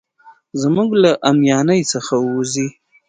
زموږ له اميانۍ څخه ووزي.